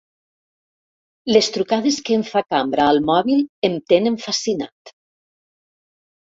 Les trucades que em fa Cambra al mòbil em tenen fascinat.